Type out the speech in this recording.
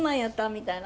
みたいな。